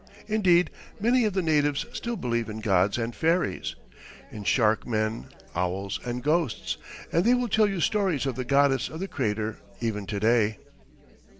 Indeed, many of the natives still believe in gods and fairies, in shark men, owls, and ghosts, and they will tell you stories of the goddess of the crater even to day.